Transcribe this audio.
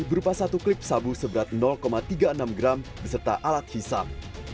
berupa satu klip sabu seberat tiga puluh enam gram beserta alat hisap